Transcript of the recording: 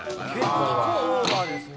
結構オーバーですね。